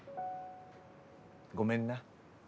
ごめんな。